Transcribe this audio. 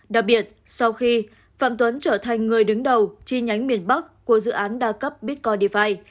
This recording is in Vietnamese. đặc biệt sau khi phạm tuấn trở thành người đứng đầu chi nhánh miền bắc của dự án đa cấp bitcoin